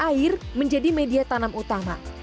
air menjadi media tanam utama